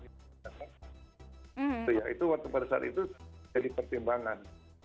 itu ya itu waktu pada saat itu jadi pertimbangan